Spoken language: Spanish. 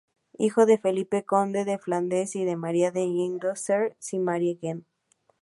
Hijo de Felipe, conde de Flandes y de María de Hohenzollern-Sigmaringen.